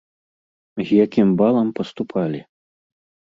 З якім балам паступалі?